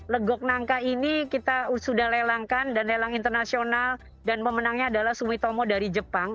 legok nangka ini kita sudah lelangkan dan lelang internasional dan pemenangnya adalah sumitomo dari jepang